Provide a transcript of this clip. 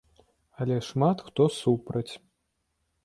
Але шмат хто супраць.